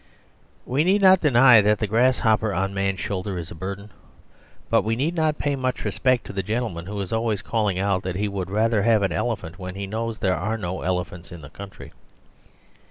We need not deny that the grasshopper on man's shoulder is a burden; but we need not pay much respect to the gentleman who is always calling out that he would rather have an elephant when he knows there are no elephants in the country.